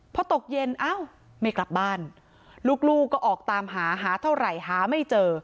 พอตกเย็นอ้าวไม่กลับบ้านลูกก็ออกตามหาหาเท่าไหร่หาไม่เจอ